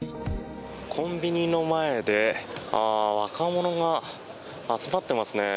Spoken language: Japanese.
コンビニの前で若者が集まってますね。